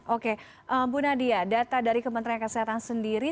oke bu nadia data dari kementerian kesehatan sendiri